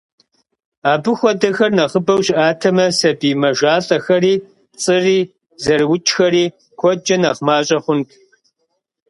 Абы хуэдэхэр нэхъыбэу щыӏатэмэ, сабий мэжалӏэхэри, пцӏыри, зэрыукӏхэри куэдкӏэ нэхъ мащӏэ хъунт.